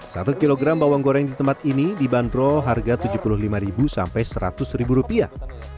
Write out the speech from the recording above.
satu kilogram bawang goreng di tempat ini dibanderol harga tujuh puluh lima sampai seratus rupiah